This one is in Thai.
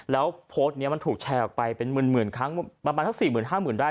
แล้วโพสต์เนี้ยมันถูกแชร์ออกไปเป็นหมื่นหมื่นครั้งประมาณทั้งสี่หมื่นห้าหมื่นได้